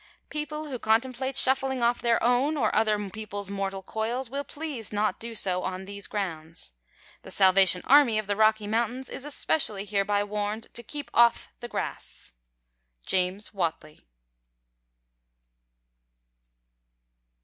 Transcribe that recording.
People who contemplate shuffling off their own or other people's mortal coils, will please not do so on these grounds. The Salvation Army of the Rocky Mountains is especially hereby warned to keep off the grass! James Whatley.